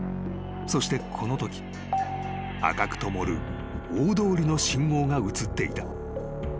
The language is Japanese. ［そしてこのとき赤く灯る大通りの信号が写っていた］